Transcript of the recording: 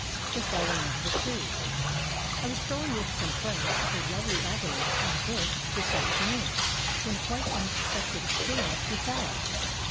III THE FELLING OF THE TREE I was strolling with some friends up a lovely avenue in the bush this afternoon, when a quite unexpected experience befell us.